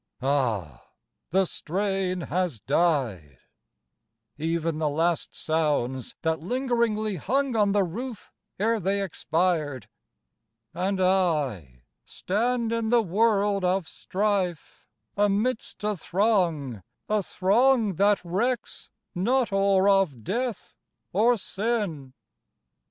Ah, the strain Has died ev'n the last sounds that lingeringly Hung on the roof ere they expired! And I, Stand in the world of strife, amidst a throng, A throng that recks not or of death, or sin!